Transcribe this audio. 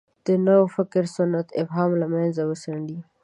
د نوفکرۍ سنت ابهام له مخه وڅنډي.